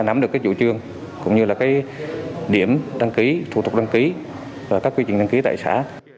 nắm được cái chủ trương cũng như là điểm đăng ký thủ tục đăng ký và các quy trình đăng ký tại xã